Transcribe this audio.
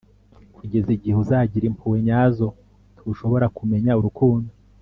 kugeza igihe uzagira impuhwe nyazo, ntushobora kumenya urukundo